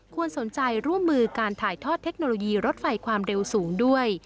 สนใจร่วมมือการถ่ายทอดเทคโนโลยีรถไฟความเร็วสูงด้วย